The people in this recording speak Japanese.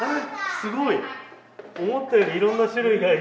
すごい！思ったよりいろんな種類がいる。